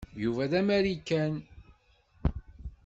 Yuba d amarikan.